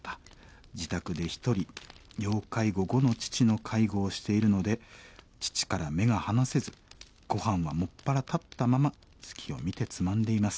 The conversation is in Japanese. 「自宅で一人要介護５の父の介護をしているので父から目が離せずごはんは専ら立ったまま月を見てつまんでいます。